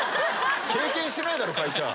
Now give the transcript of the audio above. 経験してないだろ会社。